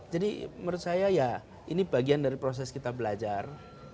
jadi menurut saya ya ini bagian dari proses kita belajar